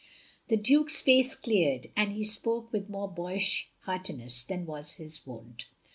" The Duke's face cleared, and he spoke with more boyish heartiness than was his wont.